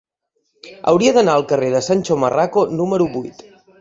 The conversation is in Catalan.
Hauria d'anar al carrer de Sancho Marraco número vuit.